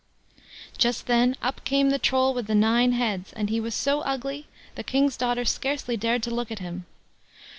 Just then up came the Troll with the nine heads, and he was so ugly, the King's daughter scarcely dared to look at him.